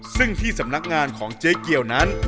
ซึ่งที่สำนักงานของเจ๊เกียวนั้น